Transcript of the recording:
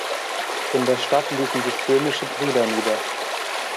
In der Stadt ließen sich Böhmische Brüder nieder.